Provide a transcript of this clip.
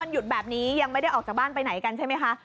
หยุดแบบนี้ยังไม่ได้ออกจากบ้านไปไหนกันใช่ไหมคะ